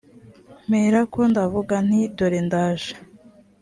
mperako ndavuga nti dore ndaje .